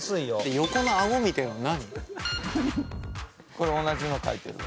これ同じの描いてる。